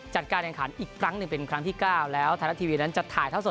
จัดการแข่งขันอีกครั้งหนึ่งเป็นครั้งที่๙แล้วไทยรัฐทีวีนั้นจะถ่ายเท่าสด